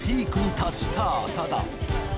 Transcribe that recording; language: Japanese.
達した浅田